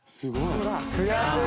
悔しい。